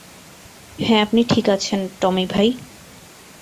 হ্যাঁ, আপনি ঠিক আছেন, টমি ভাই?